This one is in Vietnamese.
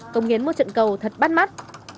công nghiến một trận cầu thật bắt mắt